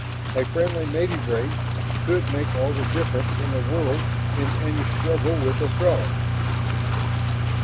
A friendly native race could make all the difference in the world in any struggle with the Throgs."